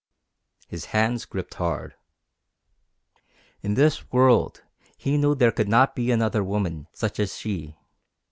His hands gripped hard. In this world he knew there could not be another woman such as she.